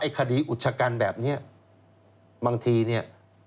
คดีอุชกันแบบนี้บางทีเนี่ย